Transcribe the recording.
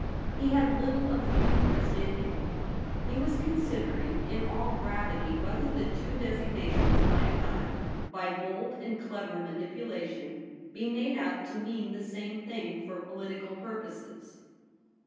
He had little of the humourist in him. He was considering in all gravity whether the two designations might not, by bold and clever manipulation, be made out to mean the same thing for political purposes.